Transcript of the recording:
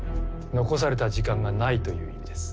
残された時間がないという意味です。